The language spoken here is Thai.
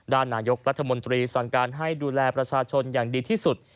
นายกรัฐมนตรีสั่งการให้ดูแลประชาชนอย่างดีที่สุด